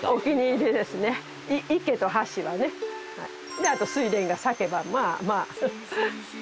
であと睡蓮が咲けばまあまあ。